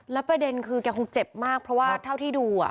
แล้วประเด็นคือแกคงเจ็บมากเพราะว่าเท่าที่ดู